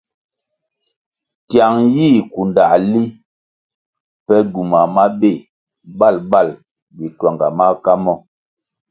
Tiang yih kundãh li pe gywumah mabéh babal bituanga maka mo.